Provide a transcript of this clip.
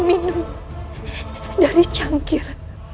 minum dari cangkir